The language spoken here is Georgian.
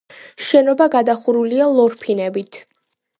შენობა გადახურულია ლორფინებით.